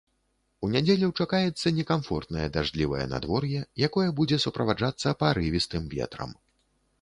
У нядзелю чакаецца некамфортнае дажджлівае надвор'е, якое будзе суправаджацца парывістым ветрам.